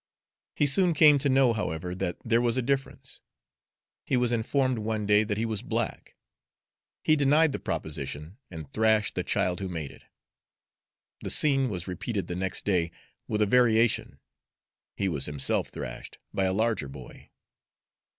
He soon came to know, however, that there was a difference. He was informed one day that he was black. He denied the proposition and thrashed the child who made it. The scene was repeated the next day, with a variation, he was himself thrashed by a larger boy.